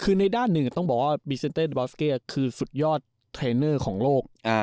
คือในด้านหนึ่งต้องบอกว่าพรีเซนเตอร์บอสเก้คือสุดยอดเทรนเนอร์ของโลก